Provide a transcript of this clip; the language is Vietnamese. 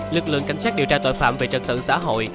lực lượng cảnh sát điều tra tội phạm về trật tự xã hội